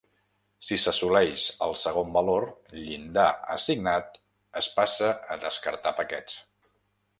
Si s'assoleix el segon valor llindar assignat, es passa a descartar paquets.